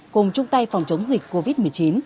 cùng chung tay phòng chống dịch covid một mươi chín